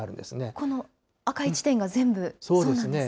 この赤い地点が全部そうなんですね。